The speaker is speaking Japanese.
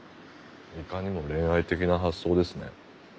いかにも恋愛的な発想ですね。